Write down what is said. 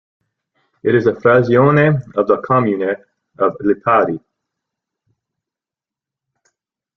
It is a "frazione" of the "comune" of Lipari.